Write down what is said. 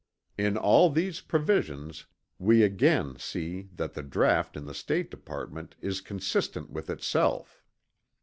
In all these provisions we again see that the draught in the State Department is consistent with itself.